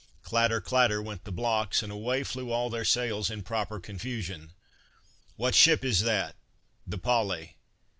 Clatter, clatter, went the blocks, and away flew all their sails in proper confusion. "What ship is that?" "The Polly."